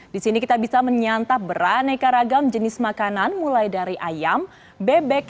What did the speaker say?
di sini kita bisa menyantap beraneka ragam jenis makanan mulai dari ayam bebek